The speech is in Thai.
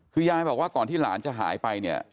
คือยายบอกว่าก่อนที่หลานจะหายไปเนี่ย